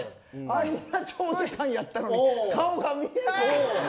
あんな長時間やったのに顔が見えない？